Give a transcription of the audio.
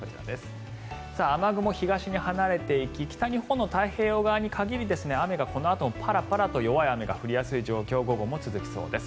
雨雲、東に離れていき北日本の太平洋側に限り雨がこのあともパラパラと弱い雨が降りやすい状況が午後も続きそうです。